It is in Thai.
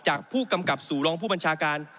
จากผู้กำกับสู่รองผู้บัญชาการ